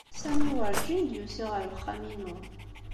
Sami werǧin d-yusi ɣer uxxam-inu.